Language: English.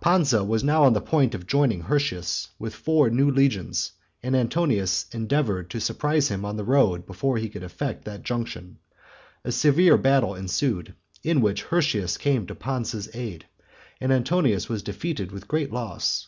Pansa was now on the point of joining Hirtius with four new legions, and Antonius endeavoured to surprise him on the road before he could effect that junction. A severe battle ensued, in which Hirtius came to Pansa's aid, and Antonius was defeated with great loss.